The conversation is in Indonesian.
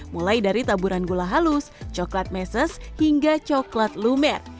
mulai dari taburan gula halus coklat meses hingga coklat lumer